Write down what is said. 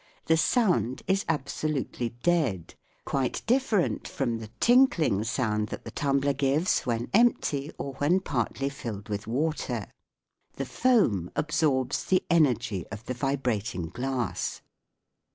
The sound is absolutely dead : quite different from the tinkling sound that the tumbler gives when empty or when partly filled with water. The foam absorbs the energy of the vibrating glass.